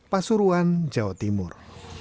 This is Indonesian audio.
pasuruan jawa timur